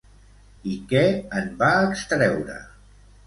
I què en va extreure?